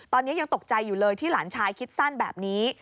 ตอนนี้ยังตกใจอยู่เลยที่หลานชายคิดสั้นแบบนี้